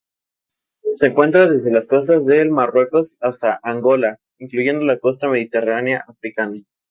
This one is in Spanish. Se encuentra desde las costas del Marruecos hasta Angola, incluyendo la costa mediterránea africana.